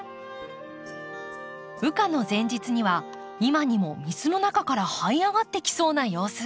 羽化の前日には今にも水の中からはい上がってきそうな様子。